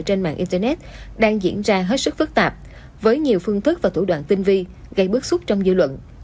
trên mạng internet đang diễn ra hết sức phức tạp với nhiều phương thức và thủ đoạn tinh vi gây bức xúc trong dư luận